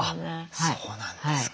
そうなんですか。